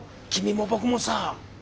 君も僕もさ。